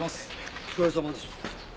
お疲れさまです。